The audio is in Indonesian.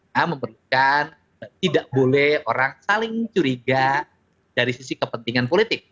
ya memerlukan tidak boleh orang saling curiga dari sisi kepentingan politik